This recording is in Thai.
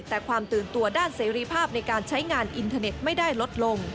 แต่ความตื่นตัวด้านเสรีภาพในการใช้งานอินเทอร์เน็ตไม่ได้ลดลง